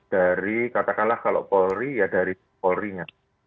dari katakanlah kalau polri ya dari polri nya